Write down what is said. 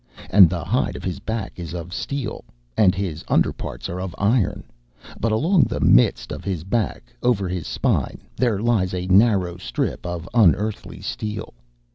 And the hide of his back is of steel, and his under parts are of iron; but along the midst of his back, over his spine, there lies a narrow strip of unearthly steel.